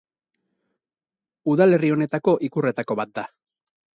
Udalerri honetako ikurretako bat da.